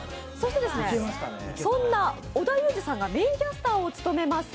そんな織田裕二さんがメインキャスターを務めます